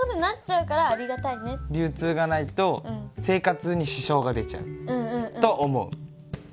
流通がないと生活に支障が出ちゃうと思う。